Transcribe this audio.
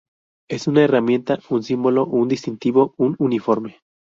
Es una herramienta, un símbolo, un distintivo, un uniforme?